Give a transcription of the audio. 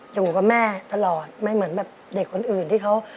อยู่กับแม่ตลอดไม่เหมือนแบบเด็กคนอื่นที่เขา